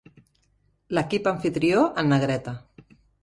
L'equip amfitrió en negreta.